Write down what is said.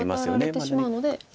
ワタられてしまうので。